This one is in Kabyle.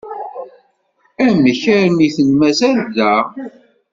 Amek armi iten-mazal da?